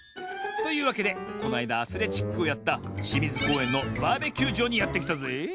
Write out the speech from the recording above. というわけでこのあいだアスレチックをやったしみずこうえんのバーベキューじょうにやってきたぜえ。